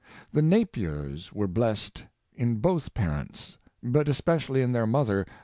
The Napiers were blessed in both parents, but es pecially in their mother.